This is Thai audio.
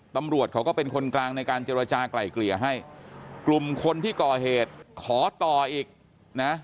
ตำรวจเขาก็เป็นคนกลางในการเจรจากลายเกลี่ยให้กลุ่มคนที่ก่อเหตุขอต่ออีกนะ